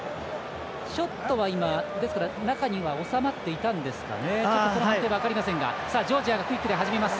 ショットは中には収まっていたんですかね。